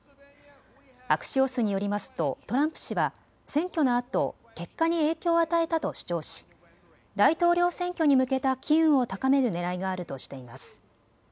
アクシオスによりますとトランプ氏は選挙のあと結果に影響を与えたと主張し大統領選挙に向けた機運を高めるねらいがあるとしています。